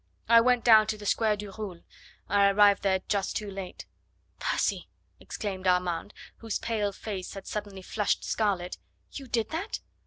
I went down to the Square du Roule. I arrived there just too late." "Percy!" exclaimed Armand, whose pale face had suddenly flushed scarlet, "you did that?